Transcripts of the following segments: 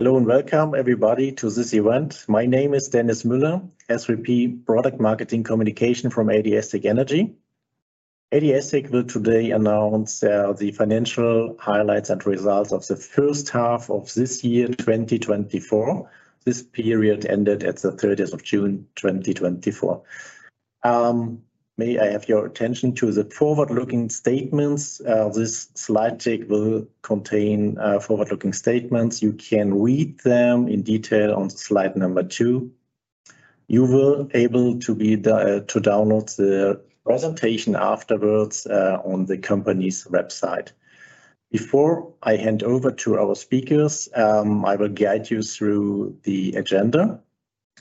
Hello and welcome, everybody, to this event. My name is Dennis Müller, SVP Product Marketing Communication from ADS-TEC Energy. ADS-TEC will today announce the financial highlights and results of the first half of this year, 2024. This period ended at the June 30th, 2024. May I have your attention to the forward-looking statements? This slide deck will contain forward-looking statements. You can read them in detail on slide number two. You will be able to download the presentation afterwards on the company's website. Before I hand over to our speakers, I will guide you through the agenda.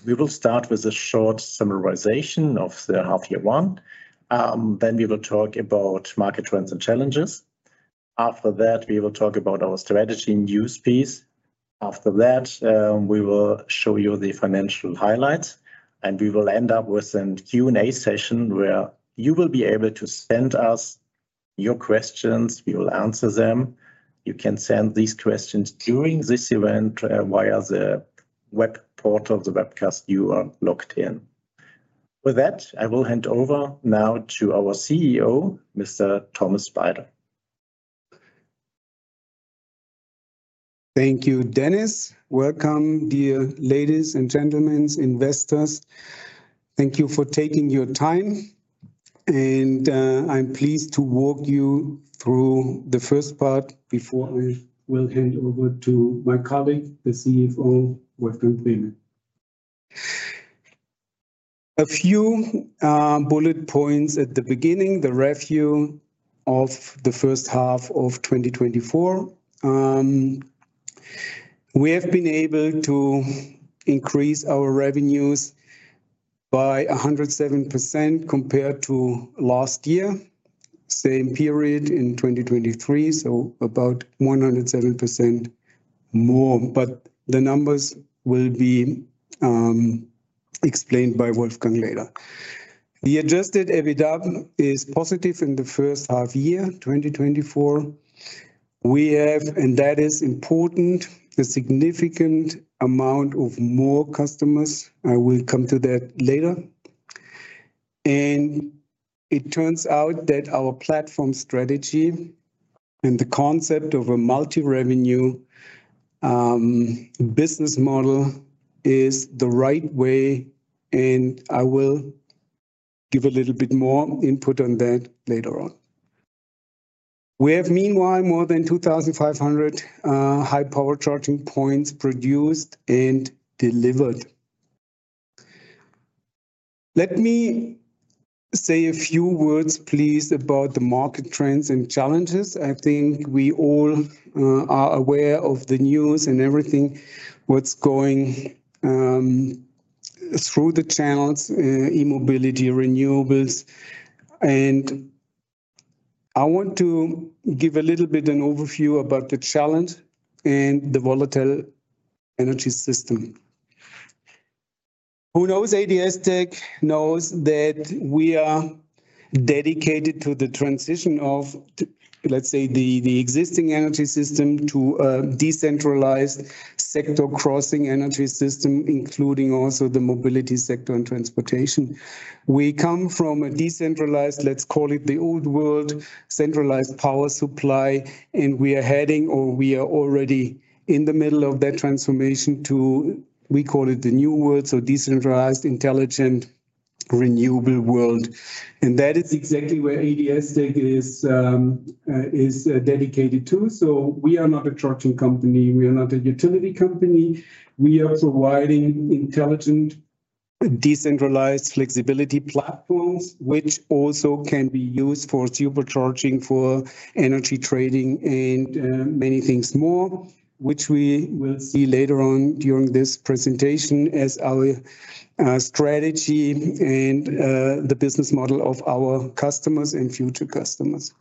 We will start with a short summarization of the half year one. Then we will talk about market trends and challenges. After that, we will talk about our strategy and USPs. After that, we will show you the financial highlights, and we will end up with a Q&A session, where you will be able to send us your questions, we will answer them. You can send these questions during this event via the web portal of the webcast you are logged in. With that, I will hand over now to our CEO, Mr. Thomas Speidel. Thank you, Dennis. Welcome, dear ladies and gentlemen, investors. Thank you for taking your time, and I'm pleased to walk you through the first part before I will hand over to my colleague, the CFO, Wolfgang Breme. A few bullet points at the beginning, the revenue of the first half of 2024. We have been able to increase our revenues by 107% compared to last year, same period in 2023, so about 107% more, but the numbers will be explained by Wolfgang later. The Adjusted EBITDA is positive in the first half year, 2024. We have, and that is important, a significant amount of more customers. I will come to that later. It turns out that our platform strategy and the concept of a multi-revenue business model is the right way, and I will give a little bit more input on that later on. We have meanwhile more than 2,500 high power charging points produced and delivered. Let me say a few words, please, about the market trends and challenges. I think we all are aware of the news and everything, what's going through the channels, E-Mobility, renewables, and I want to give a little bit an overview about the challenge and the volatile energy system. Who knows ADS-TEC knows that we are dedicated to the transition of, let's say, the existing energy system to a decentralized sector-crossing energy system, including also the mobility sector and transportation. We come from a decentralized, let's call it the old world, centralized power supply, and we are heading, or we are already in the middle of that transformation to, we call it the new world, so decentralized, intelligent, renewable world. And that is exactly where ADS-TEC is dedicated to. So we are not a charging company, we are not a utility company. We are providing intelligent, decentralized flexibility platforms, which also can be used for supercharging, for energy trading and many things more, which we will see later on during this presentation as our strategy and the business model of our customers and future customers.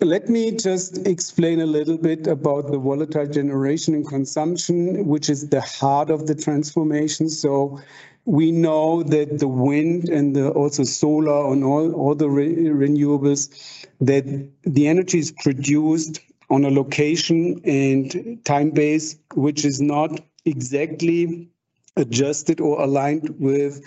Let me just explain a little bit about the volatile generation and consumption, which is the heart of the transformation. So we know that the wind and also solar and all the renewables, that the energy is produced on a location and time base, which is not exactly adjusted or aligned with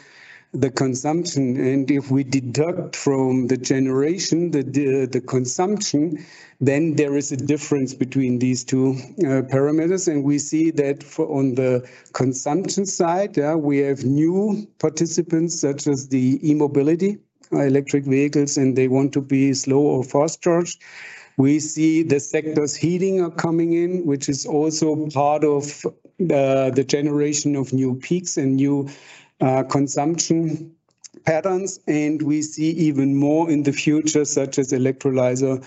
the consumption. And if we deduct from the generation, the consumption, then there is a difference between these two parameters, and we see that on the consumption side, we have new participants, such as the E-Mobility, electric vehicles, and they want to be slow or fast charged. We see the sectors heating are coming in, which is also part of the generation of new peaks and new consumption patterns. And we see even more in the future, such as electrolyzer,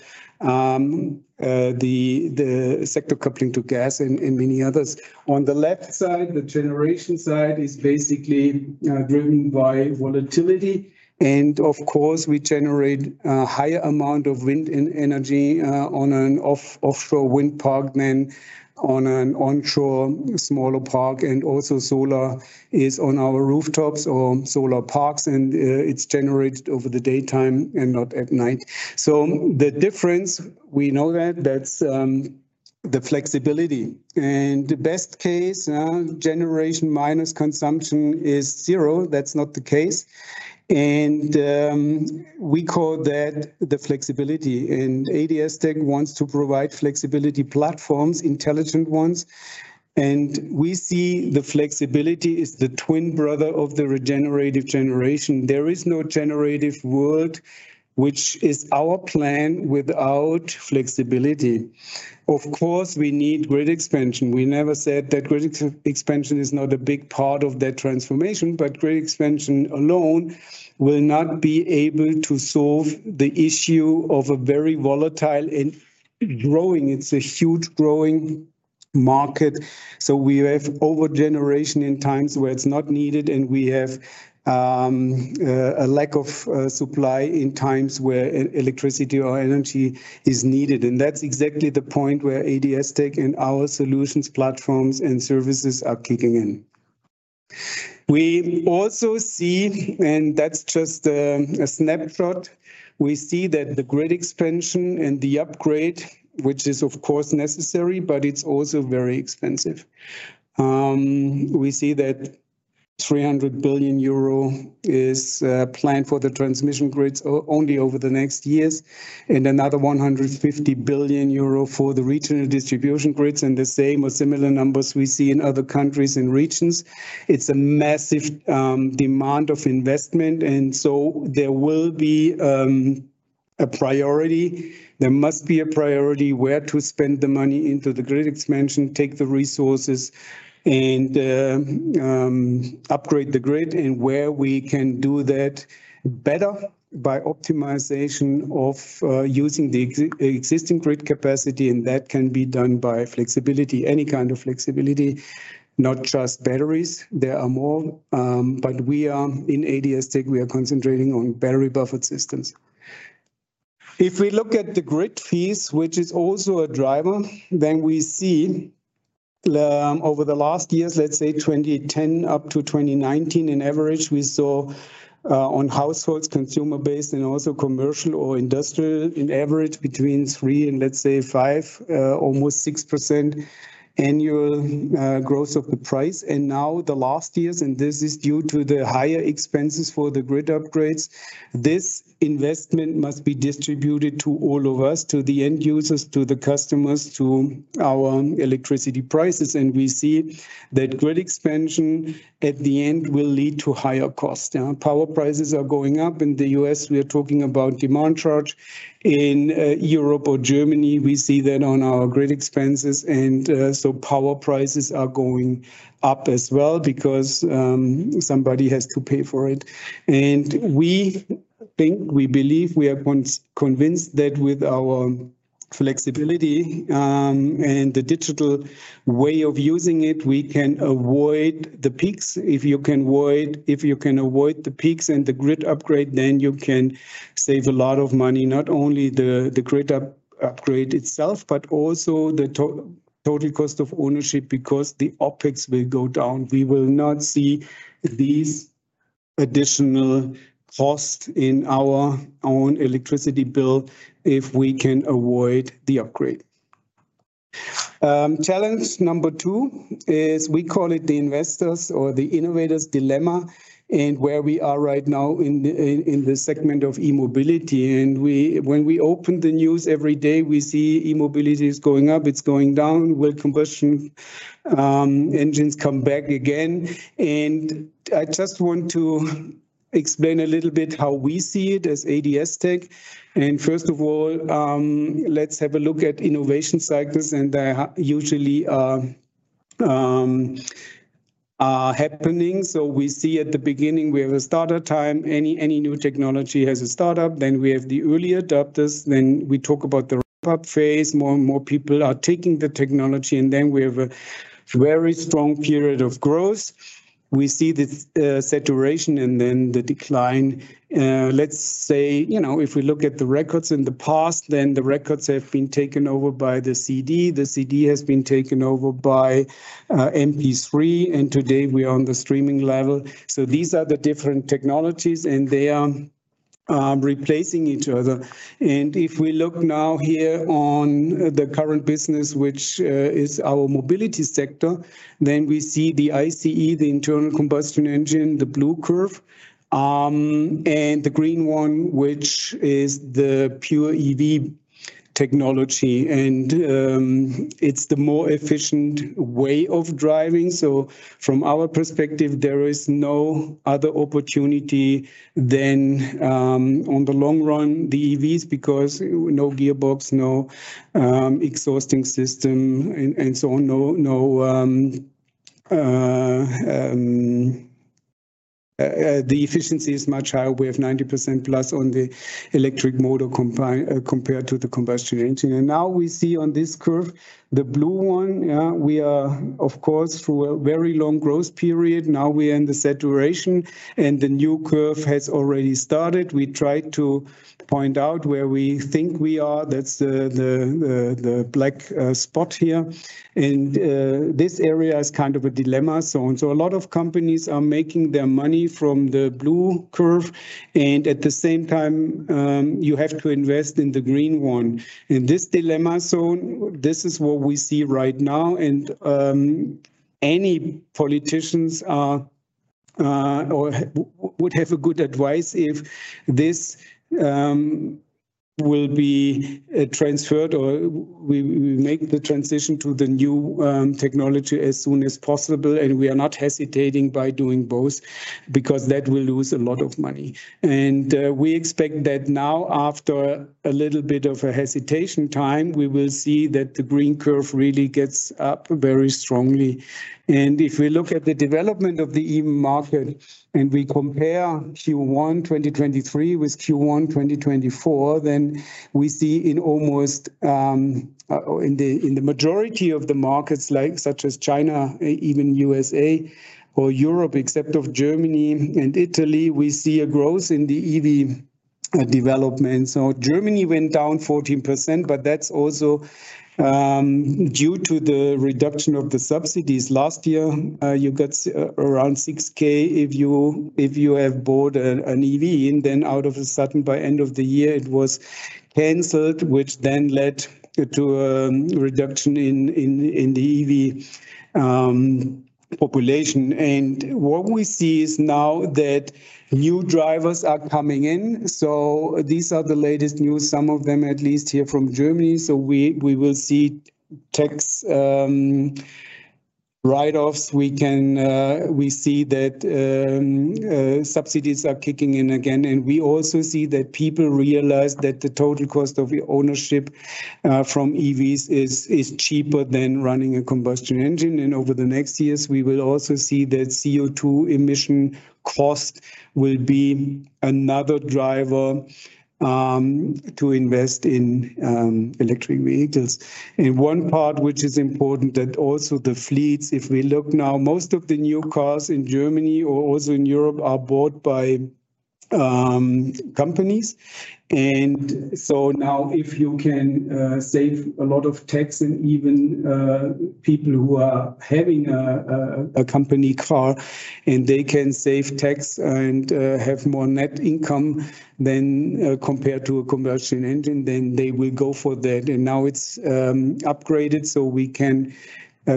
the sector coupling to gas and many others. On the left side, the generation side is basically driven by volatility, and of course, we generate a higher amount of wind and energy on an offshore wind park than on an onshore smaller park. And also solar is on our rooftops or solar parks, and it's generated over the daytime and not at night. So the difference, we know that, that's the flexibility. And the best case, generation minus consumption is zero. That's not the case. And we call that the flexibility. And ADS-TEC wants to provide flexibility platforms, intelligent ones, and we see the flexibility is the twin brother of the regenerative generation. There is no regenerative world, which is our plan, without flexibility. Of course, we need grid expansion. We never said that grid expansion is not a big part of that transformation, but grid expansion alone will not be able to solve the issue of a very volatile and growing, it's a huge growing market, so we have over-generation in times where it's not needed, and we have a lack of supply in times where electricity or energy is needed, and that's exactly the point where ADS-TEC and our solutions, platforms, and services are kicking in. We also see, and that's just a snapshot, we see that the grid expansion and the upgrade, which is of course necessary, but it's also very expensive. We see that 300 billion euro is planned for the transmission grids only over the next years, and another 150 billion euro for the regional distribution grids, and the same or similar numbers we see in other countries and regions. It's a massive demand of investment, and so there will be a priority. There must be a priority where to spend the money into the grid expansion, take the resources, and upgrade the grid, and where we can do that better by optimization of using the existing grid capacity, and that can be done by flexibility, any kind of flexibility, not just batteries. There are more, but we are in ADS-TEC concentrating on battery buffer systems. If we look at the grid fees, which is also a driver, then we see over the last years, let's say 2010 up to 2019, in average, we saw on households, consumer-based, and also commercial or industrial, in average between three and, let's say, five, almost 6% annual growth of the price. Now the last years, and this is due to the higher expenses for the grid upgrades, this investment must be distributed to all of us, to the end users, to the customers, to our electricity prices. We see that grid expansion, at the end, will lead to higher costs. Yeah, power prices are going up. In the U.S., we are talking about demand charge. In Europe or Germany, we see that on our grid expenses, and so power prices are going up as well because somebody has to pay for it. And we think, we believe, we are convinced that with our flexibility and the digital way of using it, we can avoid the peaks. If you can avoid the peaks and the grid upgrade, then you can save a lot of money. Not only the grid upgrade itself, but also the total cost of ownership, because the OpEx will go down. We will not see these additional costs in our own electricity bill if we can avoid the upgrade. Challenge number two is, we call it the investors or the innovator's dilemma, and where we are right now in the segment of E-Mobility. When we open the news every day, we see E-Mobility is going up, it's going down. Will combustion engines come back again? I just want to explain a little bit how we see it as ADS-TEC. First of all, let's have a look at innovation cycles, and they are usually happening. So we see at the beginning, we have a startup time. Any new technology has a startup. Then we have the early adopters, then we talk about the ramp-up phase. More and more people are taking the technology, and then we have a very strong period of growth. We see the saturation and then the decline. Let's say, you know, if we look at the records in the past, then the records have been taken over by the CD. The CD has been taken over by MP3, and today we are on the streaming level. So these are the different technologies, and they are replacing each other. And if we look now here on the current business, which is our mobility sector, then we see the ICE, the internal combustion engine, the blue curve, and the green one, which is the pure EV technology. And it's the more efficient way of driving. So from our perspective, there is no other opportunity than on the long run, the EVs, because no gearbox, no exhaust system and so on. The efficiency is much higher. We have 90%+ on the electric motor compared to the combustion engine. And now we see on this curve, the blue one, we are of course through a very long growth period. Now we are in the saturation, and the new curve has already started. We tried to point out where we think we are. That's the black spot here. And this area is kind of a dilemma zone. So a lot of companies are making their money from the blue curve, and at the same time, you have to invest in the green one. In this dilemma zone, this is what we see right now, and any politicians or would have a good advice if this will be transferred, or we make the transition to the new technology as soon as possible. We are not hesitating by doing both, because that will lose a lot of money. We expect that now, after a little bit of a hesitation time, we will see that the green curve really gets up very strongly. If we look at the development of the EV market, and we compare Q1 2023 with Q1 2024, then we see in almost, in the majority of the markets, like, such as China, even U.S.A. or Europe, except of Germany and Italy, we see a growth in the EV development. Germany went down 14%, but that's also due to the reduction of the subsidies. Last year, you got around 6,000 if you have bought an EV, and then all of a sudden, by end of the year, it was canceled, which then led to a reduction in the EV population. And what we see is now that new drivers are coming in, so these are the latest news, some of them at least here from Germany. So we will see tax write-offs. We see that subsidies are kicking in again. And we also see that people realize that the total cost of ownership from EVs is cheaper than running a combustion engine. And over the next years, we will also see that CO2 emission cost will be another driver to invest in electric vehicles. And one part, which is important, that also the fleets, if we look now, most of the new cars in Germany or also in Europe, are bought by companies. And so now, if you can save a lot of tax, and even people who are having a company car, and they can save tax and have more net income than compared to a combustion engine, then they will go for that. And now it's upgraded, so we can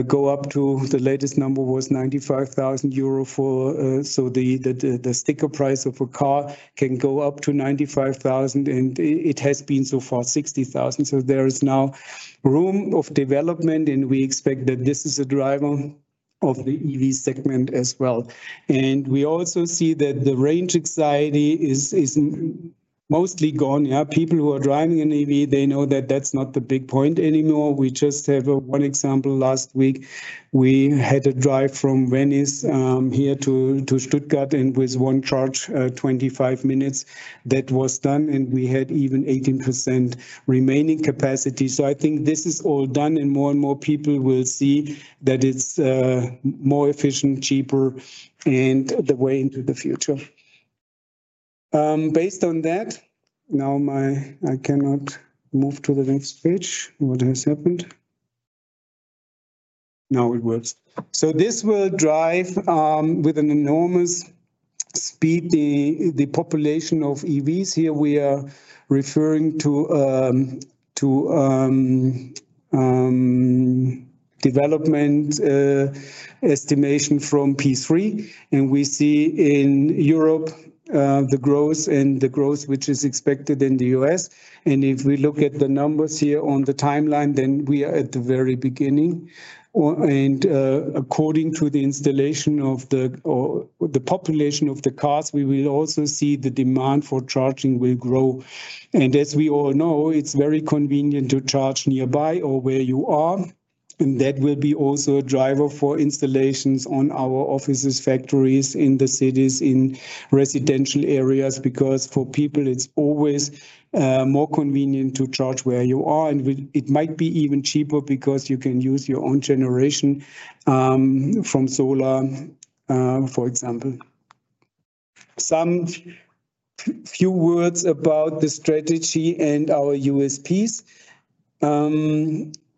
go up to the latest number was 95,000 euro for. So the sticker price of a car can go up to 95,000, and it has been so far 60,000. So there is now room of development, and we expect that this is a driver of the EV segment as well. And we also see that the range anxiety is mostly gone. Yeah, people who are driving an EV, they know that that's not the big point anymore. We just have one example. Last week, we had a drive from Venice here to Stuttgart, and with one charge, 25 minutes, that was done, and we had even 18% remaining capacity. So I think this is all done, and more and more people will see that it's more efficient, cheaper, and the way into the future. Based on that, now I cannot move to the next page. What has happened? Now it works. So this will drive with an enormous speed the population of EVs. Here we are referring to development estimation from P3, and we see in Europe the growth which is expected in the U.S.. If we look at the numbers here on the timeline, then we are at the very beginning. According to the installation of the or the population of the cars, we will also see the demand for charging will grow. As we all know, it's very convenient to charge nearby or where you are, and that will be also a driver for installations on our offices, factories, in the cities, in residential areas, because for people, it's always more convenient to charge where you are. It might be even cheaper because you can use your own generation from solar, for example. Some few words about the strategy and our USPs.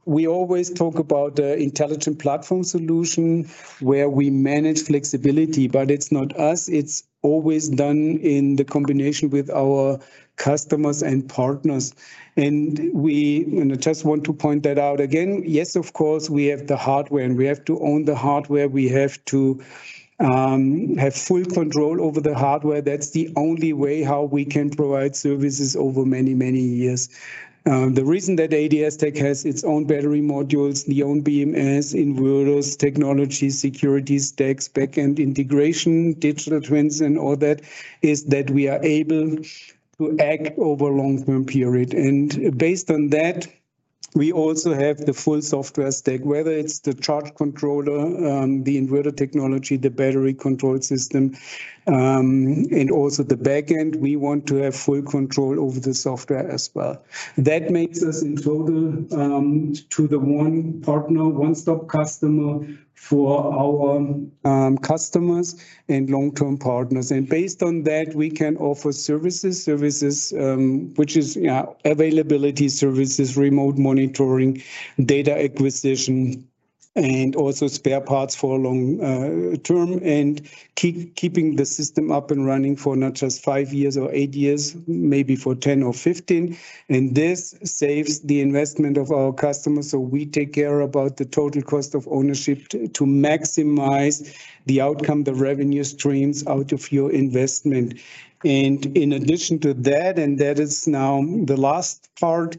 We always talk about the intelligent platform solution, where we manage flexibility, but it's not us. It's always done in the combination with our customers and partners, and we, you know, just want to point that out again. Yes, of course, we have the hardware, and we have to own the hardware. We have to have full control over the hardware. That's the only way how we can provide services over many, many years. The reason that ADS-TEC has its own battery modules, own BMS, inverters, technology, security stacks, backend integration, digital twins, and all that, is that we are able to act over long-term period. Based on that, we also have the full software stack, whether it's the charge controller, the inverter technology, the battery control system, and also the backend. We want to have full control over the software as well. That makes us, in total, the one partner, one-stop customer for our customers and long-term partners. Based on that, we can offer services, which is, yeah, availability services, remote monitoring, data acquisition, and also spare parts for a long term, and keeping the system up and running for not just five years or eight years, maybe for ten or fifteen. This saves the investment of our customers, so we take care about the total cost of ownership to maximize the outcome, the revenue streams out of your investment. And in addition to that, and that is now the last part,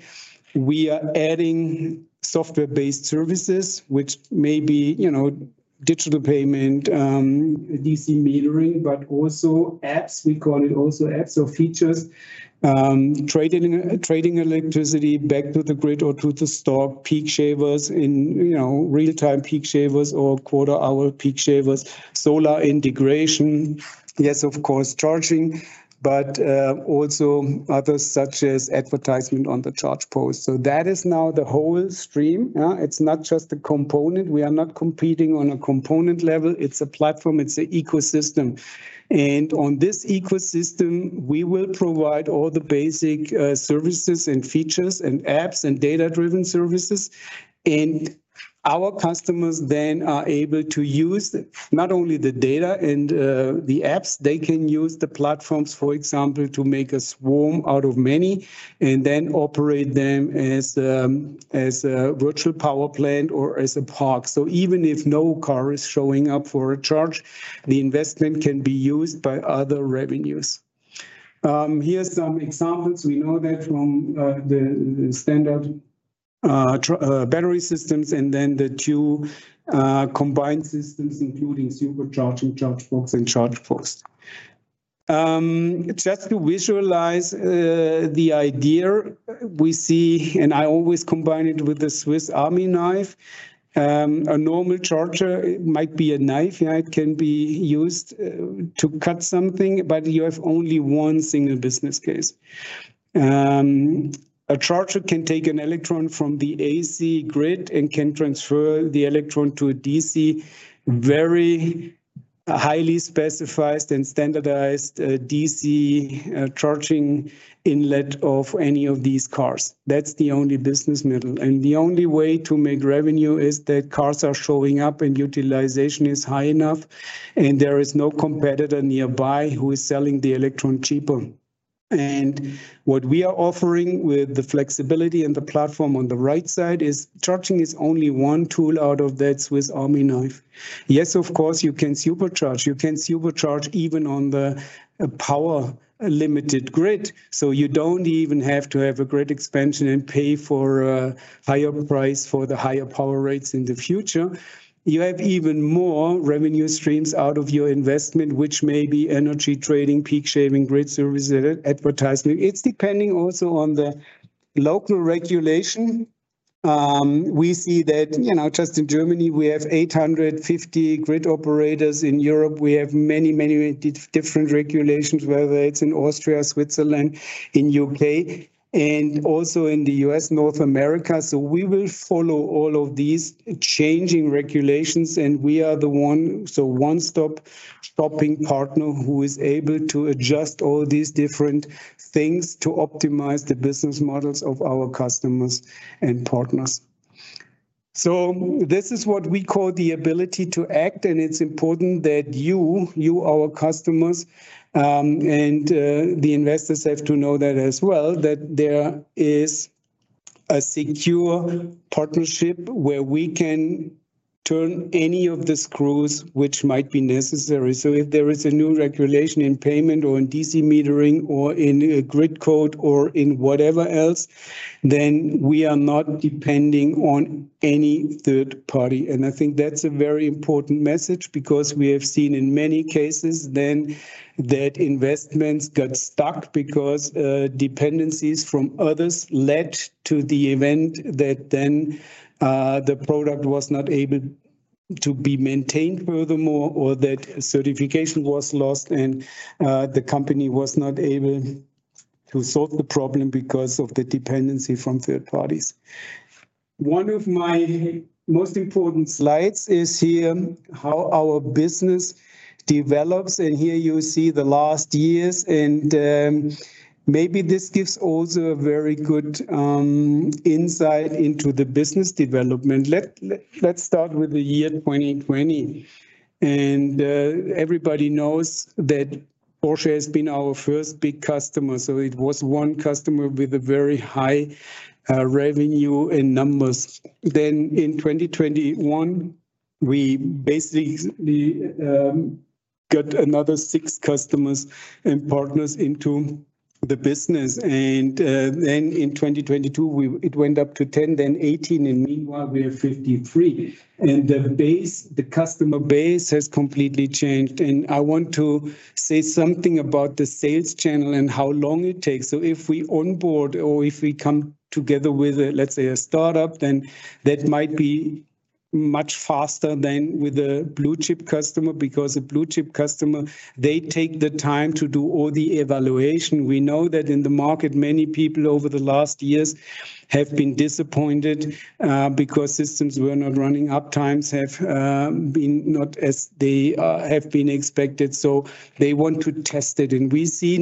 we are adding software-based services, which may be, you know, digital payment, DC metering, but also apps. We call it also apps or features. Trading electricity back to the grid or to the store, peak shavers in, you know, real-time peak shavers or quarter-hour peak shavers, solar integration. Yes, of course, charging, but also others, such as advertisement on the ChargePost. So that is now the whole stream, yeah? It's not just a component. We are not competing on a component level. It's a platform, it's an ecosystem. And on this ecosystem, we will provide all the basic services and features and apps and data-driven services. And our customers then are able to use not only the data and the apps. They can use the platforms, for example, to make a swarm out of many and then operate them as a virtual power plant or as a park. So even if no car is showing up for a charge, the investment can be used by other revenues. Here are some examples. We know that from the standard battery systems and then the two combined systems, including supercharging ChargeBox and ChargePost. Just to visualize the idea we see, and I always combine it with the Swiss Army knife. A normal charger might be a knife. Yeah, it can be used to cut something, but you have only one single business case. A charger can take an electron from the AC grid and can transfer the electron to a DC very highly specified and standardized DC charging inlet of any of these cars. That's the only business model, and the only way to make revenue is that cars are showing up and utilization is high enough, and there is no competitor nearby who is selling the electron cheaper. What we are offering with the flexibility and the platform on the right side is charging is only one tool out of that Swiss Army knife. Yes, of course, you can supercharge. You can supercharge even on the power-limited grid, so you don't even have to have a grid expansion and pay for a higher price for the higher power rates in the future. You have even more revenue streams out of your investment, which may be energy trading, peak shaving, grid services, advertising. It's depending also on the local regulation. We see that, you know, just in Germany, we have 850 grid operators. In Europe, we have many, many different regulations, whether it's in Austria, Switzerland, in U.K., and also in the U.S., North America. So we will follow all of these changing regulations, and we are the one-stop-shop partner who is able to adjust all these different things to optimize the business models of our customers and partners. So this is what we call the ability to act, and it's important that you, our customers, and the investors have to know that as well, that there is a secure partnership where we can turn any of the screws which might be necessary. So if there is a new regulation in payment or in DC metering or in a grid code or in whatever else, then we are not depending on any third party. And I think that's a very important message because we have seen in many cases then that investments got stuck because dependencies from others led to the event that then the product was not able to be maintained furthermore, or that certification was lost and the company was not able to solve the problem because of the dependency from third parties. One of my most important slides is here, how our business develops, and here you see the last years and maybe this gives also a very good insight into the business development. Let's start with the year 2020, and everybody knows that Porsche has been our first big customer, so it was one customer with a very high revenue in numbers, then in 2021, we basically got another six customers and partners into the business, and then in 2022, it went up to 10, then 18, and meanwhile, we are 53. And the base, the customer base has completely changed, and I want to say something about the sales channel and how long it takes. So if we onboard or if we come together with a, let's say, a startup, then that might be much faster than with a blue-chip customer, because a blue-chip customer, they take the time to do all the evaluation. We know that in the market, many people over the last years have been disappointed, because systems were not running, uptimes have been not as they have been expected, so they want to test it. And we see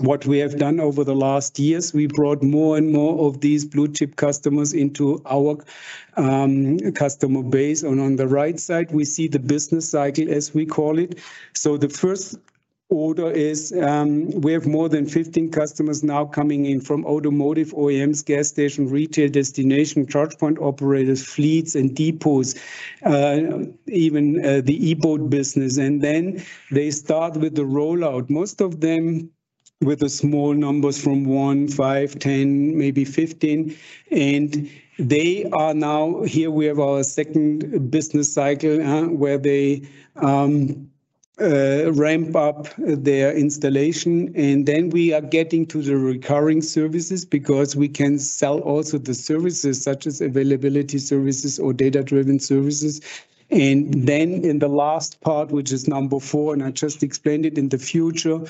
what we have done over the last years, we brought more and more of these blue-chip customers into our customer base. And on the right side, we see the business cycle, as we call it. So the first order is, we have more than fifteen customers now coming in from automotive OEMs, gas station, retail destination, charge point operators, fleets and depots, even the e-boat business. And then they start with the rollout, most of them with a small numbers from one, five, ten, maybe fifteen, and they are now. Here we have our second business cycle, where they ramp up their installation, and then we are getting to the recurring services because we can sell also the services, such as availability services or data-driven services. And then in the last part, which is number four, and I just explained it, in the future,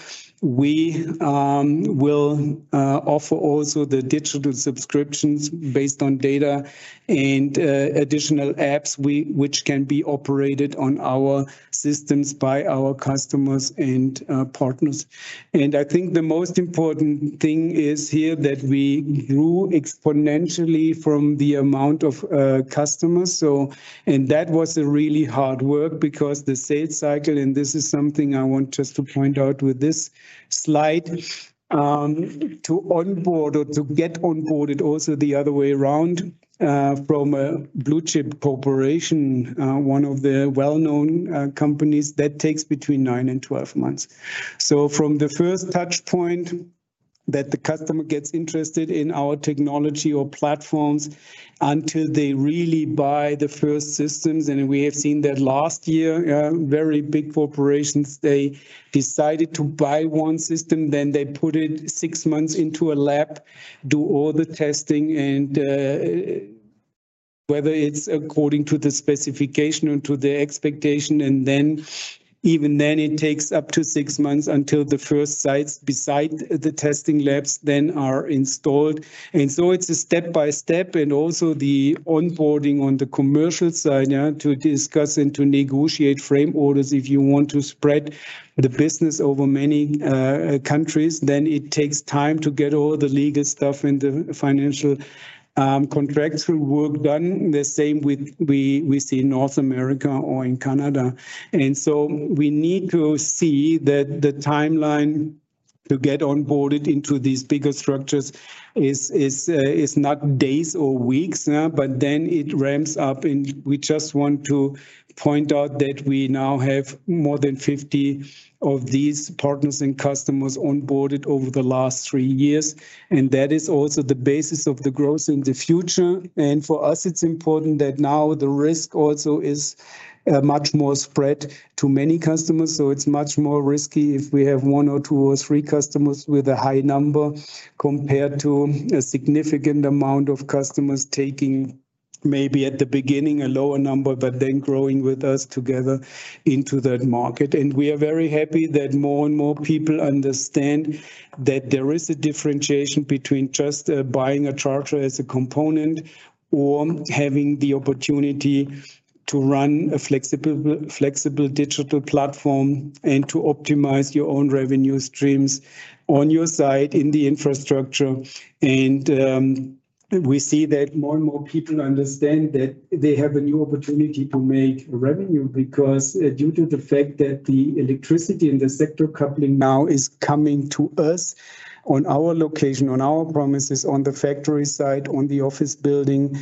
we will offer also the digital subscriptions based on data and additional apps which can be operated on our systems by our customers and partners. I think the most important thing is here, that we grew exponentially from the amount of customers. So, and that was a really hard work because the sales cycle, and this is something I want just to point out with this slide, to onboard or to get onboarded also the other way around, from a blue-chip corporation, one of the well-known companies, that takes between nine and 12 months. So from the first touch point that the customer gets interested in our technology or platforms, until they really buy the first systems, and we have seen that last year very big corporations they decided to buy one system, then they put it six months into a lab, do all the testing and whether it's according to the specification or to the expectation, and then even then it takes up to six months until the first sites beside the testing labs then are installed. And so it's a step by step, and also the onboarding on the commercial side, yeah, to discuss and to negotiate frame orders. If you want to spread the business over many countries, then it takes time to get all the legal stuff and the financial contractual work done. The same we see in North America or in Canada. And so we need to see that the timeline to get onboarded into these bigger structures is not days or weeks, but then it ramps up. We just want to point out that we now have more than 50 of these partners and customers onboarded over the last three years, and that is also the basis of the growth in the future. For us, it's important that now the risk also is much more spread to many customers. So it's much more risky if we have one or two or three customers with a high number, compared to a significant amount of customers taking maybe at the beginning a lower number, but then growing with us together into that market. And we are very happy that more and more people understand that there is a differentiation between just buying a charger as a component, or having the opportunity to run a flexible digital platform and to optimize your own revenue streams on your side in the infrastructure. And we see that more and more people understand that they have a new opportunity to make revenue, because due to the fact that the electricity and the sector coupling now is coming to us on our location, on our premises, on the factory site, on the office building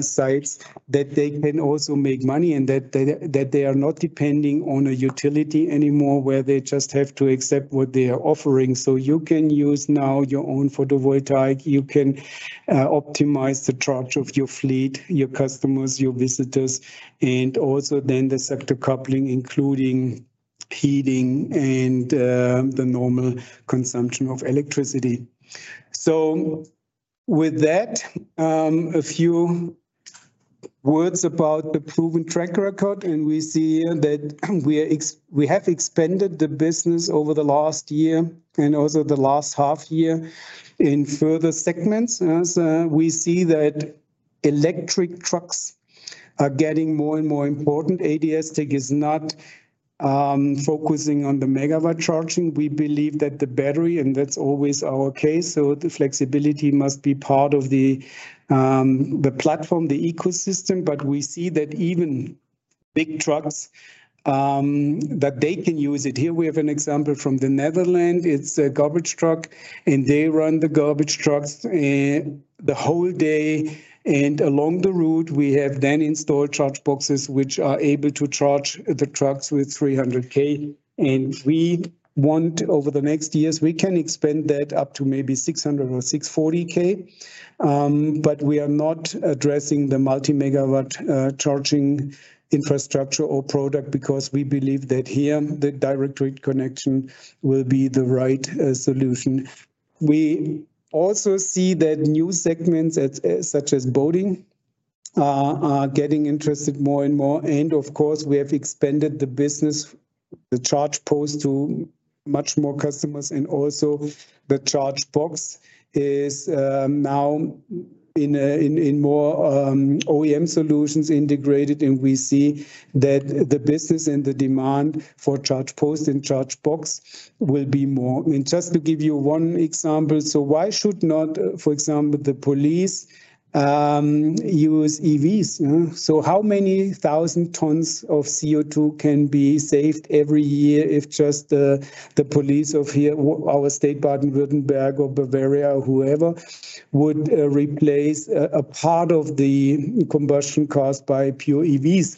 sites, that they can also make money and that they are not depending on a utility anymore, where they just have to accept what they are offering. So you can use now your own photovoltaic. You can optimize the charge of your fleet, your customers, your visitors, and also then the sector coupling, including heating and the normal consumption of electricity. So with that, a few words about the proven track record, and we see here that we have expanded the business over the last year and also the last half year in further segments. As we see that electric trucks are getting more and more important. ADS-TEC is not focusing on the megawatt charging. We believe that the battery, and that's always our case, so the flexibility must be part of the platform, the ecosystem. But we see that even big trucks that they can use it. Here we have an example from the Netherlands. It's a garbage truck, and they run the garbage trucks the whole day. And along the route, we have then installed ChargeBoxes, which are able to charge the trucks with 300kW. And we want, over the next years, we can expand that up to maybe 600 or 640kW. But we are not addressing the multi-megawatt charging infrastructure or product, because we believe that here the direct grid connection will be the right solution. We also see that new segments, such as boating, are getting interested more and more, and of course, we have expanded the business, the ChargePost, to much more customers, and also the ChargeBox is now in more OEM solutions integrated. And we see that the business and the demand for ChargePost and ChargeBox will be more. Just to give you one example. Why should not, for example, the police use EVs? How many thousand tons of CO₂ can be saved every year if just the police here, our state, Baden-Württemberg or Bavaria, or whoever, would replace a part of the combustion cars by pure EVs?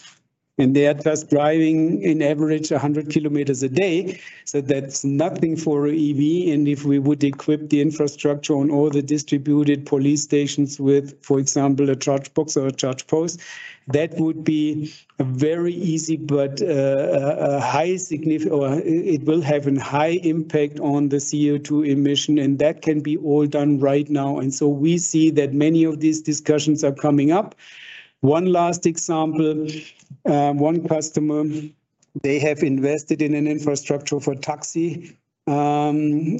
They are just driving in average 100 km a day, so that's nothing for EV. If we would equip the infrastructure on all the distributed police stations with, for example, a ChargeBox or a ChargePost, that would be very easy, but it will have a high impact on the CO₂ emission, and that can be all done right now. We see that many of these discussions are coming up. One last example, one customer, they have invested in an infrastructure for taxi. We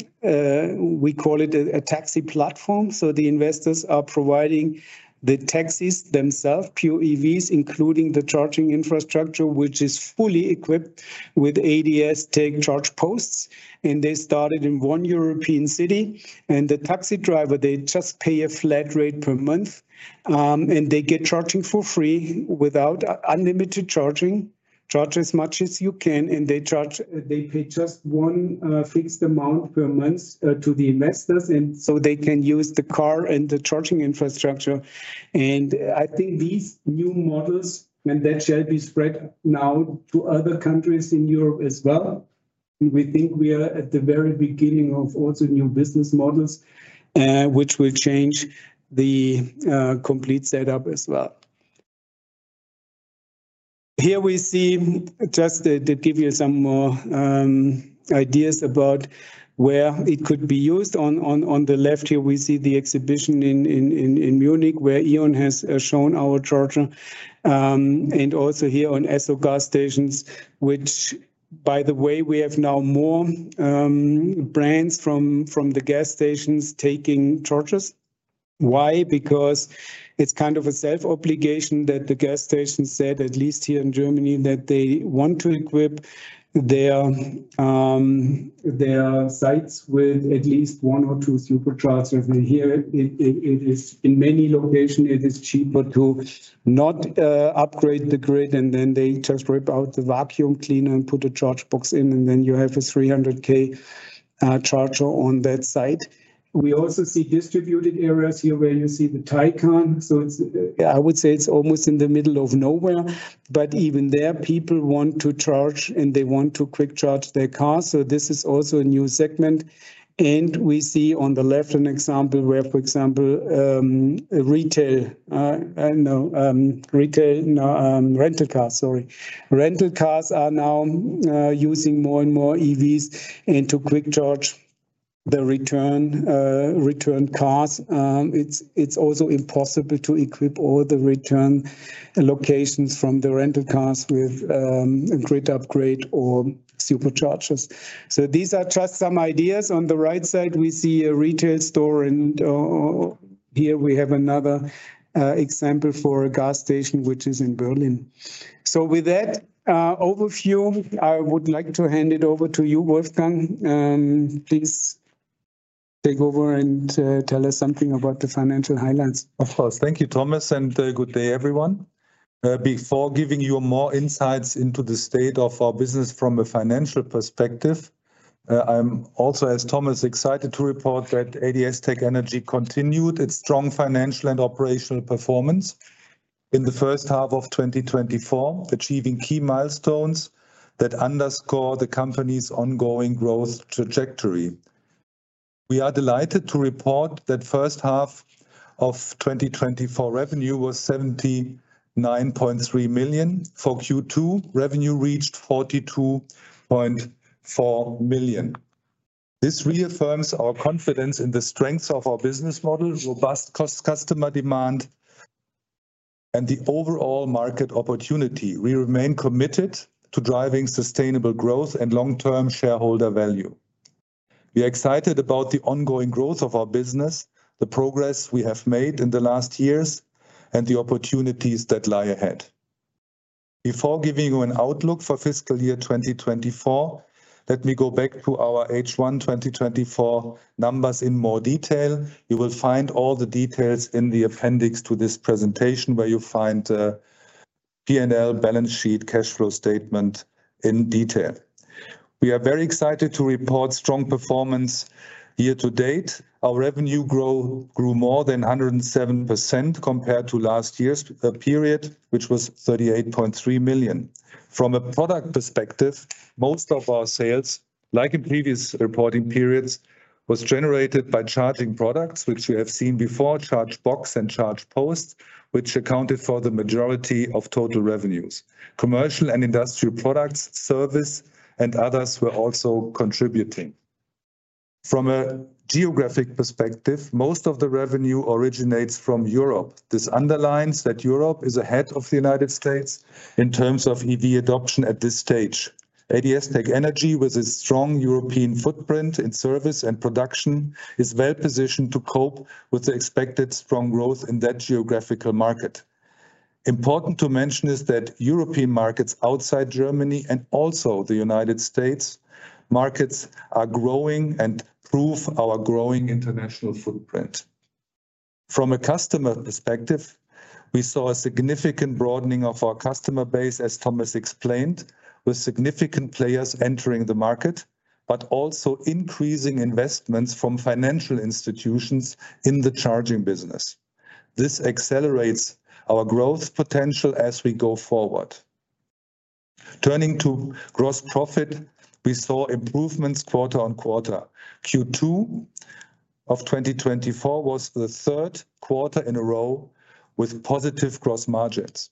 call it a taxi platform. So the investors are providing the taxis themselves, pure EVs, including the charging infrastructure, which is fully equipped with ADS-TEC ChargePosts. And they started in one European city. And the taxi driver, they just pay a flat rate per month, and they get charging for free, without unlimited charging. Charge as much as you can, and they pay just one fixed amount per month to the investors, and so they can use the car and the charging infrastructure. And I think these new models, and that shall be spread now to other countries in Europe as well. We think we are at the very beginning of also new business models, which will change the complete setup as well. Here we see, just to give you some more ideas about where it could be used. On the left here, we see the exhibition in Munich, where E.ON has shown our charger. And also here on Esso gas stations, which, by the way, we have now more brands from the gas stations taking chargers. Why? Because it's kind of a self-obligation that the gas station said, at least here in Germany, that they want to equip their their sites with at least one or two superchargers, and here, it is, in many locations, it is cheaper to not upgrade the grid, and then they just rip out the vacuum cleaner and put a ChargeBox in, and then you have a 300kW charger on that site. We also see distributed areas here, where you see the Taycan, so it's, I would say it's almost in the middle of nowhere, but even there, people want to charge, and they want to quick charge their cars, so this is also a new segment, and we see on the left an example where, for example, rental cars, sorry. Rental cars are now using more and more EVs and to quick charge the return cars. It's also impossible to equip all the return locations from the rental cars with a grid upgrade or superchargers, so these are just some ideas. On the right side, we see a retail store, and here we have another example for a gas station, which is in Berlin. So with that overview, I would like to hand it over to you, Wolfgang, and please take over and tell us something about the financial highlights. Of course. Thank you, Thomas, and good day, everyone. Before giving you more insights into the state of our business from a financial perspective, I'm also, as Thomas, excited to report that ADS-TEC Energy continued its strong financial and operational performance in the first half of 2024, achieving key milestones that underscore the company's ongoing growth trajectory. We are delighted to report that first half of 2024 revenue was 79.3 million. For Q2, revenue reached 42.4 million. This reaffirms our confidence in the strength of our business model, robust customer demand, and the overall market opportunity. We remain committed to driving sustainable growth and long-term shareholder value. We are excited about the ongoing growth of our business, the progress we have made in the last years, and the opportunities that lie ahead. Before giving you an outlook for fiscal year 2024, let me go back to our H1 2024 numbers in more detail. You will find all the details in the appendix to this presentation, where you'll find P&L, balance sheet, cash flow statement in detail. We are very excited to report strong performance year to date. Our revenue grew more than 107% compared to last year's period, which was 38.3 million. From a product perspective, most of our sales, like in previous reporting periods, was generated by charging products, which we have seen before, ChargeBox and ChargePost, which accounted for the majority of total revenues. Commercial and industrial products, service, and others were also contributing. From a geographic perspective, most of the revenue originates from Europe. This underlines that Europe is ahead of the United States in terms of EV adoption at this stage. ADS-TEC Energy, with its strong European footprint in service and production, is well positioned to cope with the expected strong growth in that geographical market. Important to mention is that European markets outside Germany and also the United States markets are growing and prove our growing international footprint. From a customer perspective, we saw a significant broadening of our customer base, as Thomas explained, with significant players entering the market, but also increasing investments from financial institutions in the charging business. This accelerates our growth potential as we go forward. Turning to gross profit, we saw improvements quarter on quarter. Q2 of 2024 was the third quarter in a row with positive gross margins.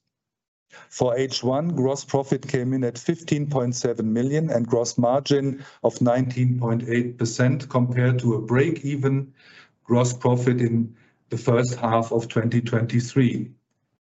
For H1, gross profit came in at 15.7 million and gross margin of 19.8%, compared to a break-even gross profit in the first half of 2023.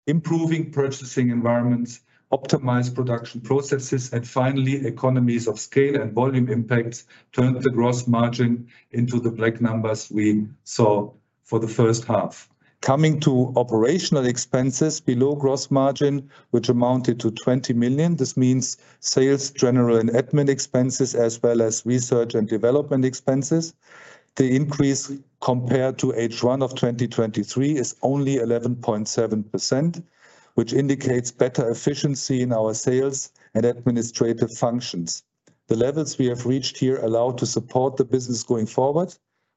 Improving purchasing environments, optimized production processes, and finally, economies of scale and volume impacts turned the gross margin into the black numbers we saw for the first half. Coming to operational expenses below gross margin, which amounted to 20 million, this means sales, general, and admin expenses, as well as research and development expenses. The increase compared to H1 of 2023 is only 11.7%, which indicates better efficiency in our sales and administrative functions. The levels we have reached here allow to support the business going forward,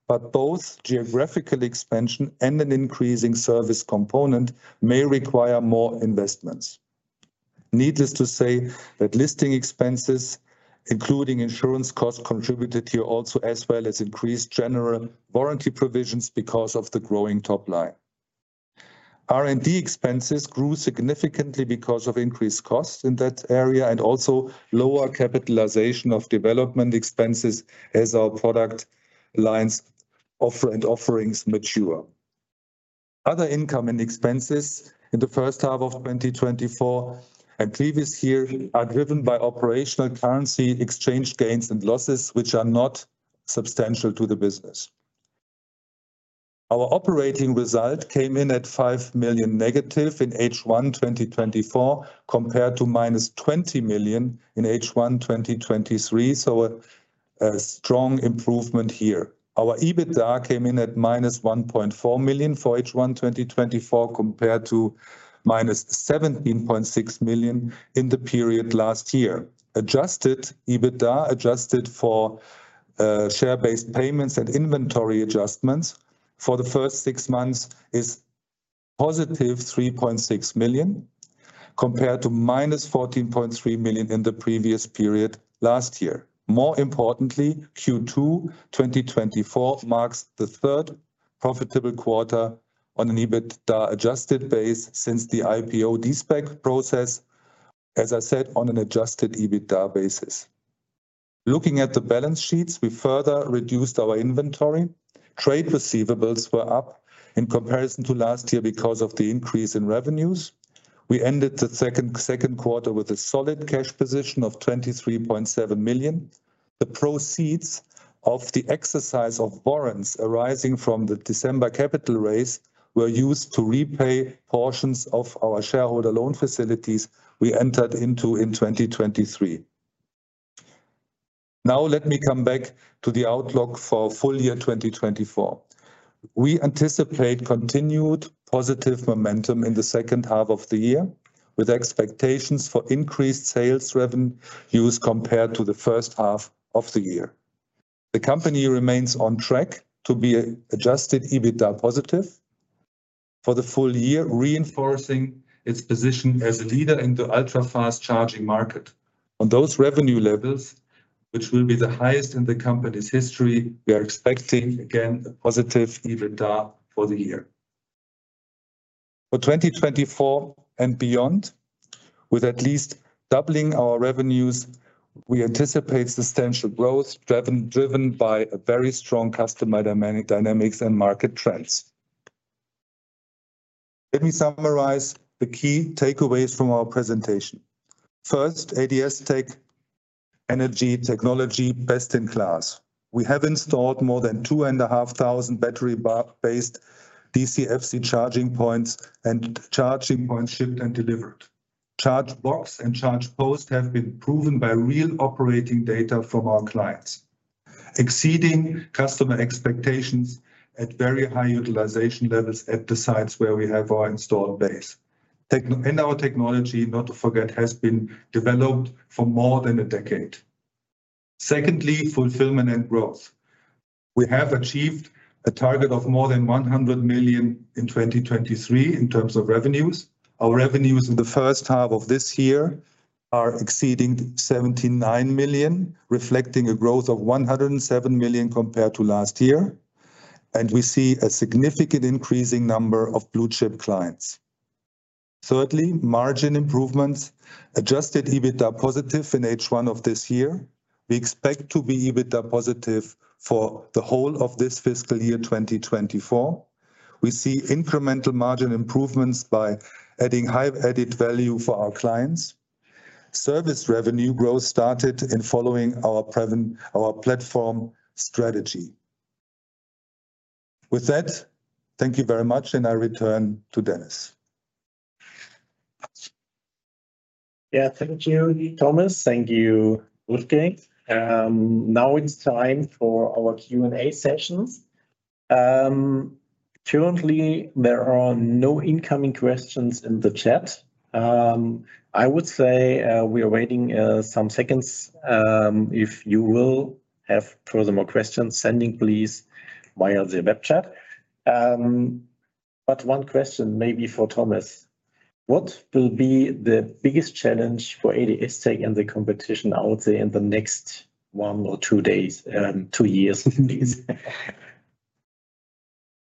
but both geographical expansion and an increasing service component may require more investments. Needless to say, that listing expenses, including insurance costs, contributed here also, as well as increased general warranty provisions because of the growing top line. R&D expenses grew significantly because of increased costs in that area and also lower capitalization of development expenses as our product lines offer and offerings mature. Other income and expenses in the first half of 2024 and previous year are driven by operational currency exchange gains and losses, which are not substantial to the business. Our operating result came in at -5 million in H1 2024, compared to -20 million in H1 2023, so a strong improvement here. Our EBITDA came in at -1.4 million for H1 2024, compared to -17.6 million in the period last year. Adjusted EBITDA, adjusted for share-based payments and inventory adjustments for the first six months, is 3.6 million, compared to -14.3 million in the previous period last year. More importantly, Q2 2024 marks the third profitable quarter on an EBITDA-adjusted base since the IPO de-SPAC process, as I said, on an adjusted EBITDA basis. Looking at the balance sheets, we further reduced our inventory. Trade receivables were up in comparison to last year because of the increase in revenues. We ended the second quarter with a solid cash position of 23.7 million. The proceeds of the exercise of warrants arising from the December capital raise were used to repay portions of our shareholder loan facilities we entered into in 2023. Now, let me come back to the outlook for full year 2024. We anticipate continued positive momentum in the second half of the year, with expectations for increased sales revenue compared to the first half of the year. The company remains on track to be Adjusted EBITDA positive for the full year, reinforcing its position as a leader in the ultra-fast charging market. On those revenue levels, which will be the highest in the company's history, we are expecting, again, a positive EBITDA for the year. For 2024 and beyond, with at least doubling our revenues, we anticipate substantial growth, driven by a very strong customer dynamics and market trends. Let me summarize the key takeaways from our presentation. First, ADS-TEC Energy technology, best-in-class. We have installed more than two and a half thousand battery-based DCFC charging points shipped and delivered. ChargeBox and ChargePost have been proven by real operating data from our clients, exceeding customer expectations at very high utilization levels at the sites where we have our installed base, and our technology, not to forget, has been developed for more than a decade. Secondly, fulfillment and growth. We have achieved a target of more than 100 million in 2023 in terms of revenues. Our revenues in the first half of this year are exceeding 79 million, reflecting a growth of 107 million compared to last year, and we see a significant increasing number of blue-chip clients. Thirdly, margin improvements, Adjusted EBITDA positive in H1 of this year. We expect to be EBITDA positive for the whole of this fiscal year, 2024. We see incremental margin improvements by adding high added value for our clients. Service revenue growth started in following our platform strategy. With that, thank you very much, and I return to Dennis. Yeah. Thank you, Thomas. Thank you, Wolfgang. Now it's time for our Q&A sessions. Currently, there are no incoming questions in the chat. I would say we are waiting some seconds. If you will have further more questions, send in, please, via the web chat. But one question maybe for Thomas: What will be the biggest challenge for ADS-TEC and the competition, I would say, in the next one or two days, two years?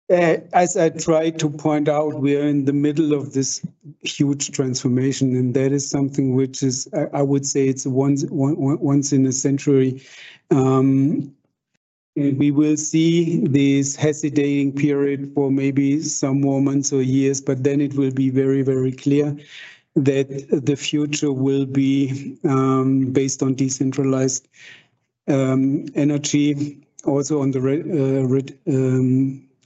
As I tried to point out, we are in the middle of this huge transformation, and that is something which is. I would say it's a once in a century. We will see this hesitating period for maybe some more months or years, but then it will be very, very clear that the future will be based on decentralized energy, also on the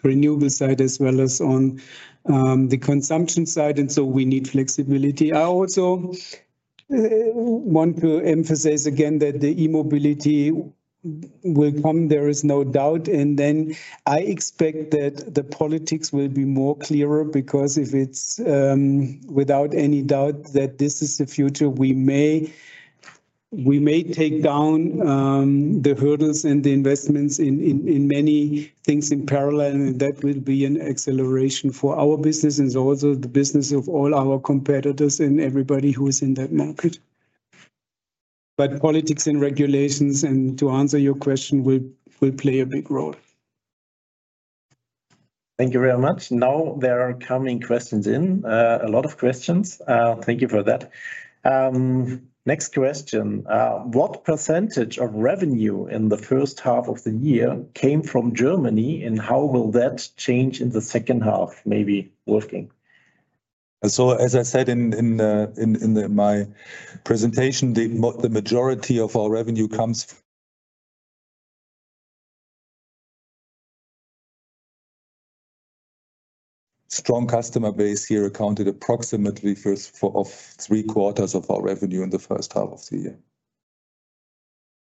renewable side, as well as on the consumption side, and so we need flexibility. I also want to emphasize again that the E-Mobility will come, there is no doubt. And then I expect that the politics will be more clearer, because if it's without any doubt that this is the future, we may take down the hurdles and the investments in many things in parallel, and that will be an acceleration for our business and also the business of all our competitors and everybody who is in that market. But politics and regulations, and to answer your question, will play a big role. Thank you very much. Now there are coming questions in, a lot of questions. Thank you for that. Next question: What percentage of revenue in the first half of the year came from Germany, and how will that change in the second half? Maybe Wolfgang. So, as I said in my presentation, the majority of our revenue comes from a strong customer base here that accounted for approximately three quarters of our revenue in the first half of the year.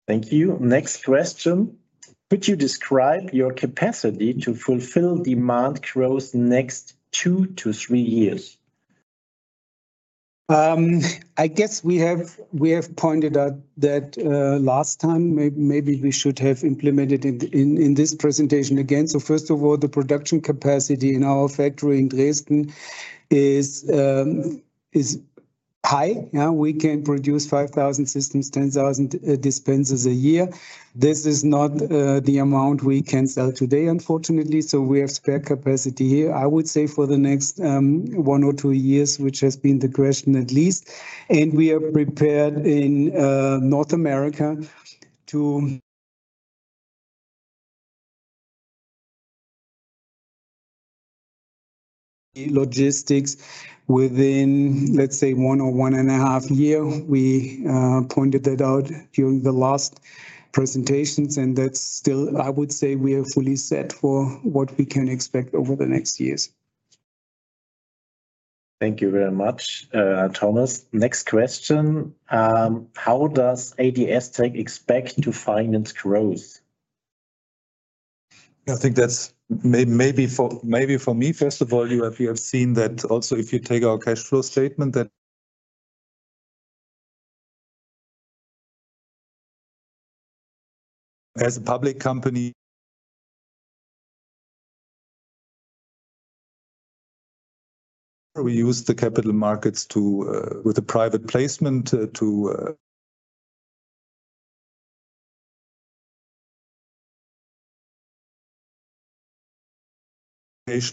Thank you. Next question: Could you describe your capacity to fulfill demand growth the next two to three years? I guess we have pointed out that last time, maybe we should have implemented it in this presentation again, so first of all, the production capacity in our factory in Dresden is high. Now, we can produce 5,000 systems, 10,000 dispensers a year. This is not the amount we can sell today, unfortunately, so we have spare capacity here. I would say, for the next one or two years, which has been the question at least, and we are prepared in North America to logistics within, let's say, one or one and a half year. We pointed that out during the last presentations, and that's still. I would say we are fully set for what we can expect over the next years. Thank you very much, Thomas. Next question: how does ADS-TEC expect to finance growth? I think that's maybe for me. First of all, you have seen that also, if you take our cash flow statement, that. As a public company we use the capital markets with a private placement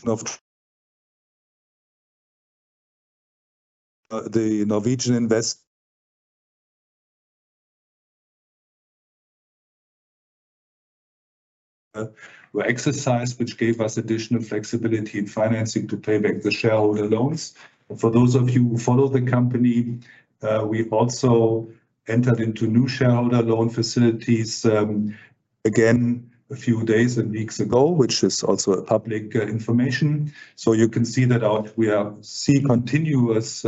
of the Norwegian investor exercise, which gave us additional flexibility in financing to pay back the shareholder loans. For those of you who follow the company, we've also entered into new shareholder loan facilities, again, a few days and weeks ago, which is also public information. So you can see that we are seeing continuous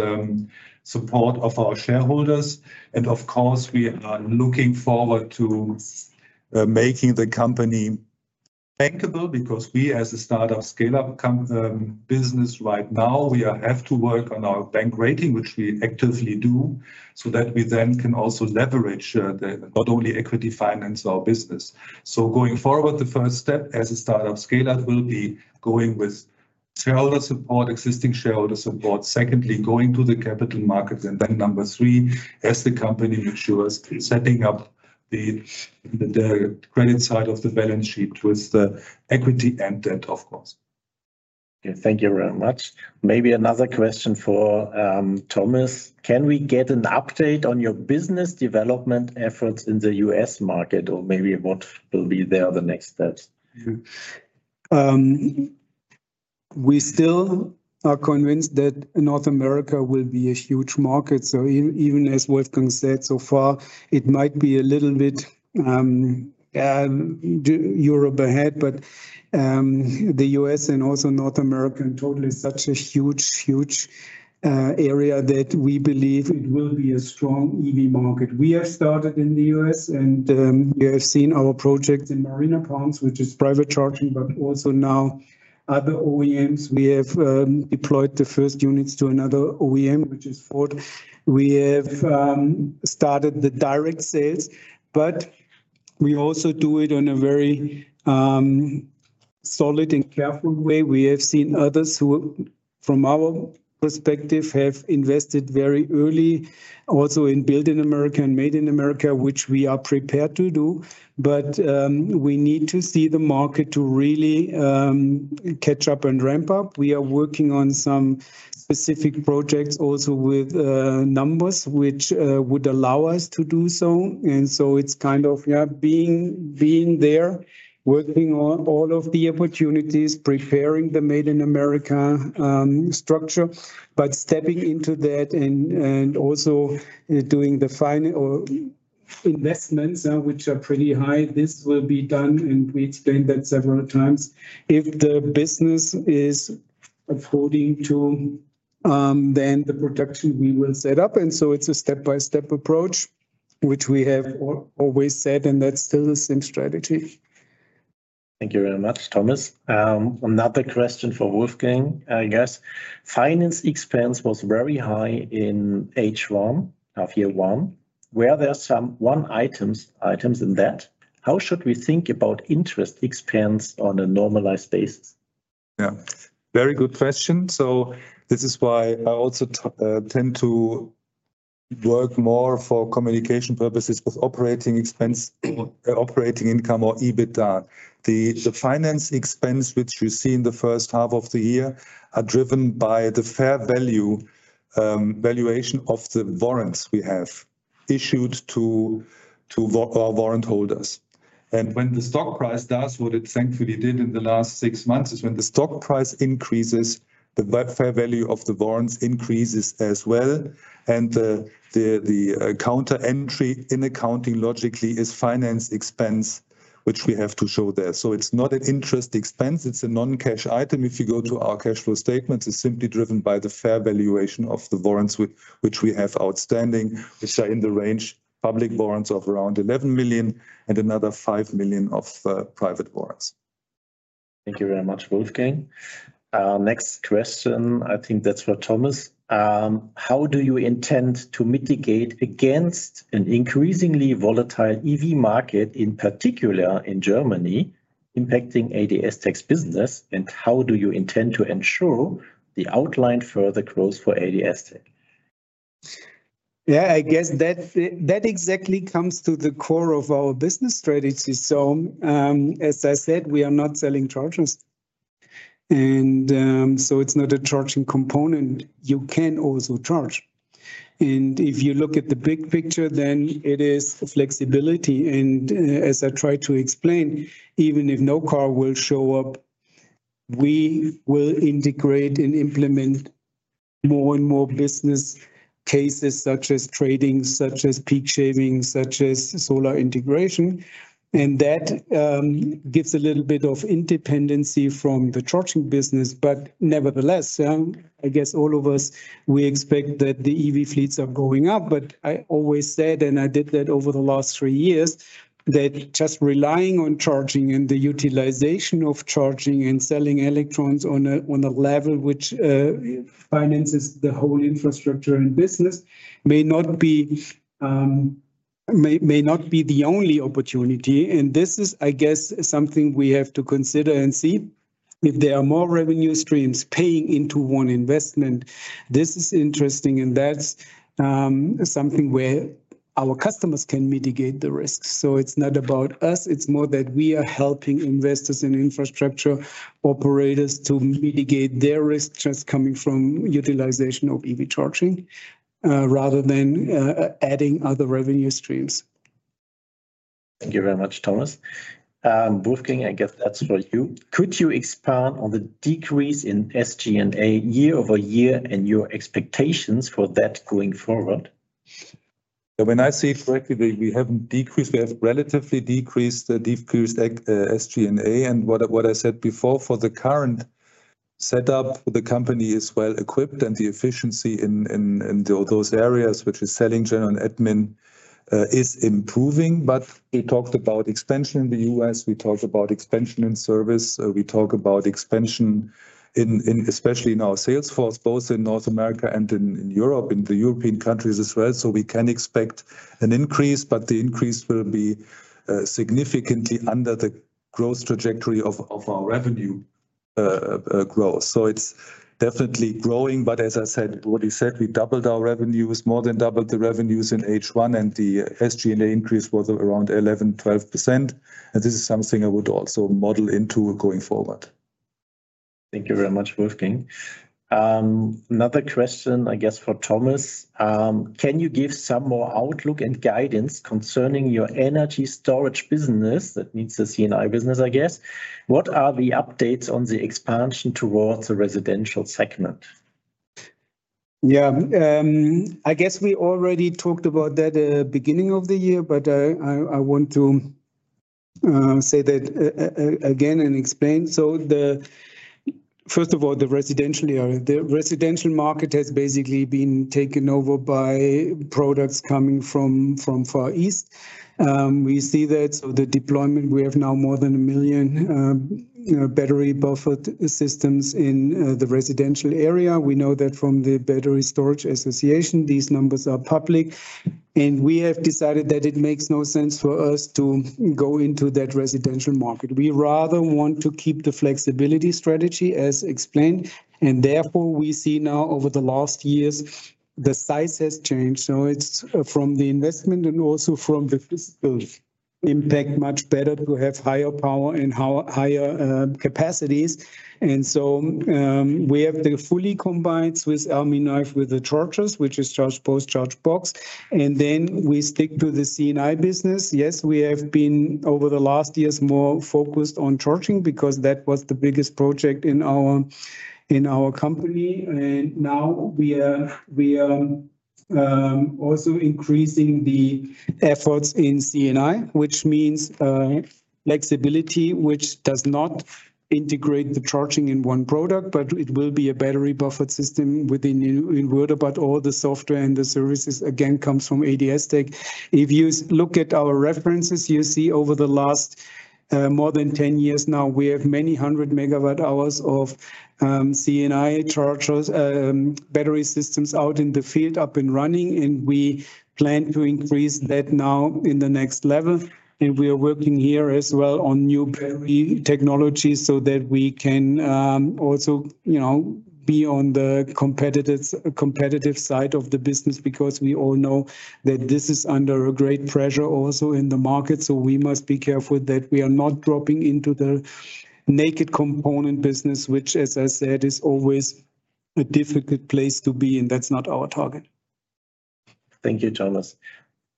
support of our shareholders and of course, we are looking forward to making the company bankable, because we, as a startup scale-up company business right now, we have to work on our bank rating, which we actively do, so that we then can also leverage the not only equity finance our business. So going forward, the first step as a startup scale-up will be going with shareholder support, existing shareholder support. Secondly, going to the capital markets, and then number three, as the company matures, setting up the credit side of the balance sheet with the equity and debt, of course.... Thank you very much. Maybe another question for Thomas: Can we get an update on your business development efforts in the U.S. market? Or maybe what will be there, the next steps? We still are convinced that North America will be a huge market. So even as Wolfgang said so far, it might be a little bit, Europe ahead, but, the U.S. and also North America in total is such a huge, huge, area that we believe it will be a strong EV market. We have started in the U.S., and, you have seen our projects in Marina Palms, which is private charging, but also now other OEMs. We have, deployed the first units to another OEM, which is Ford. We have, started the direct sales, but we also do it on a very, solid and careful way. We have seen others who, from our perspective, have invested very early also in build in America and made in America, which we are prepared to do, but we need to see the market to really catch up and ramp up. We are working on some specific projects also with numbers, which would allow us to do so. So it's kind of, yeah, being there, working on all of the opportunities, preparing the Made in America structure. But stepping into that and also doing the final or investments, which are pretty high, this will be done, and we explained that several times. If the business is affording to, then the production we will set up, and so it's a step-by-step approach, which we have always said, and that's still the same strategy. Thank you very much, Thomas. Another question for Wolfgang, I guess. Finance expense was very high in H1 of year one, where there are some one-off items in that. How should we think about interest expense on a normalized basis? Yeah, very good question. So this is why I also tend to work more for communication purposes with operating expense, operating income or EBITDA. The finance expense, which you see in the first half of the year, are driven by the fair value valuation of the warrants we have issued to our warrant holders. And when the stock price does what it thankfully did in the last six months, is when the stock price increases, the fair value of the warrants increases as well. And the counter entry in accounting, logically, is finance expense, which we have to show there. So it's not an interest expense, it's a non-cash item. If you go to our cash flow statement, it's simply driven by the fair valuation of the warrants, which we have outstanding. It's in the range of public warrants of around 11 million and another 5 million of private warrants. Thank you very much, Wolfgang. Next question, I think that's for Thomas. How do you intend to mitigate against an increasingly volatile EV market, in particular in Germany, impacting ADS-TEC's business, and how do you intend to ensure the outlined further growth for ADS-TEC? Yeah, I guess that, that exactly comes to the core of our business strategy. So, as I said, we are not selling chargers, and, so it's not a charging component. You can also charge, and if you look at the big picture, then it is flexibility. And as I tried to explain, even if no car will show up, we will integrate and implement more and more business cases, such as trading, such as peak shaving, such as solar integration. And that, gives a little bit of independence from the charging business. But nevertheless, I guess all of us, we expect that the EV fleets are going up. But I always said, and I did that over the last three years, that just relying on charging and the utilization of charging and selling electrons on a level which finances the whole infrastructure and business may not be the only opportunity, and this is, I guess, something we have to consider and see if there are more revenue streams paying into one investment. This is interesting, and that's something where our customers can mitigate the risks, so it's not about us. It's more that we are helping investors and infrastructure operators to mitigate their risk just coming from utilization of EV charging rather than adding other revenue streams. Thank you very much, Thomas. Wolfgang, I guess that's for you. Could you expand on the decrease in SG&A year over year and your expectations for that going forward? When I say correctly, we haven't decreased. We have relatively decreased the SG&A. And what I said before, for the current setup, the company is well-equipped, and the efficiency in those areas, which is selling general and admin, is improving. But we talked about expansion in the U.S., we talked about expansion in service, we talk about expansion in especially in our sales force, both in North America and in Europe, in the European countries as well. So we can expect an increase, but the increase will be significantly under the growth trajectory of our revenue growth. So it's definitely growing. But as I said, what you said, we doubled our revenues, more than doubled the revenues in H1, and the SG&A increase was around 11%-12%. This is something I would also model into going forward.... Thank you very much, Wolfgang. Another question, I guess, for Thomas. Can you give some more outlook and guidance concerning your energy storage business? That means the C&I business, I guess. What are the updates on the expansion towards the residential segment? Yeah, I guess we already talked about that at the beginning of the year, but I want to say that again and explain. So first of all, the residential area. The residential market has basically been taken over by products coming from Far East. We see that, so the deployment, we have now more than a million, you know, battery buffered systems in the residential area. We know that from the Battery Storage Association, these numbers are public, and we have decided that it makes no sense for us to go into that residential market. We rather want to keep the flexibility strategy as explained, and therefore, we see now over the last years, the size has changed. So it's from the investment and also from the physical impact, much better to have higher power and higher capacities. We have the fully combined Swiss Army knife with the chargers, which is ChargePost, ChargeBox, and then we stick to the C&I business. Yes, we have been, over the last years, more focused on charging because that was the biggest project in our company. Now we are also increasing the efforts in C&I, which means flexibility, which does not integrate the charging in one product, but it will be a battery buffered system within inverter. But all the software and the services, again, comes from ADS-TEC. If you look at our references, you see over the last more than 10 years now, we have many hundred megawatt hours of C&I chargers, battery systems out in the field, up and running, and we plan to increase that now in the next level. We are working here as well on new battery technologies so that we can also, you know, be on the competitive side of the business, because we all know that this is under a great pressure also in the market. We must be careful that we are not dropping into the naked component business, which, as I said, is always a difficult place to be, and that's not our target. Thank you, Thomas.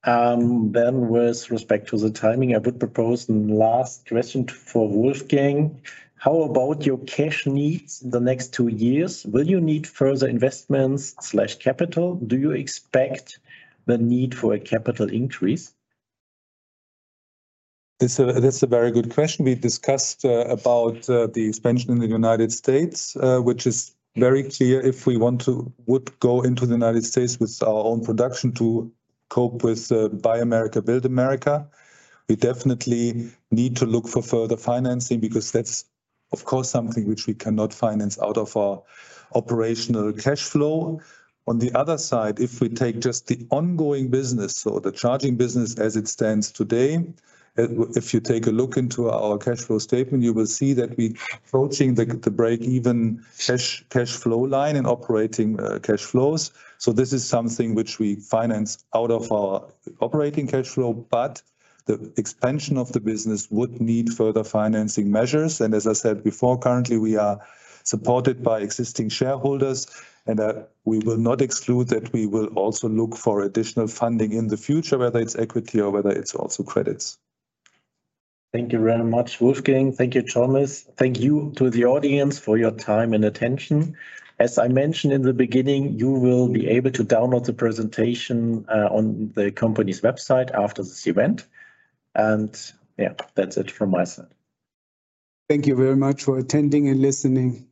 Then with respect to the timing, I would propose last question for Wolfgang. How about your cash needs in the next two years? Will you need further investments slash capital? Do you expect the need for a capital increase? This is a very good question. We discussed about the expansion in the United States, which is very clear. If we want to go into the United States with our own production to cope with Buy America, Build America, we definitely need to look for further financing, because that's, of course, something which we cannot finance out of our operational cash flow. On the other side, if we take just the ongoing business or the charging business as it stands today, if you take a look into our cash flow statement, you will see that we are approaching the break-even cash flow line and operating cash flows. So this is something which we finance out of our operating cash flow, but the expansion of the business would need further financing measures. As I said before, currently, we are supported by existing shareholders, and we will not exclude that we will also look for additional funding in the future, whether it's equity or whether it's also credits. Thank you very much, Wolfgang. Thank you, Thomas. Thank you to the audience for your time and attention. As I mentioned in the beginning, you will be able to download the presentation on the company's website after this event, and yeah, that's it from my side. Thank you very much for attending and listening.